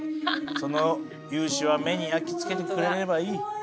その雄姿は目に焼き付けてくれればいい。